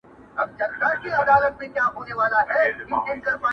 عمر تېر سو پاچا زوړ نیوي کلن سو!